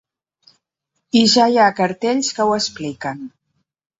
I ja hi ha cartells que ho expliquen.